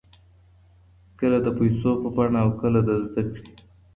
کله د پیسو په بڼه او کله د زده کړې.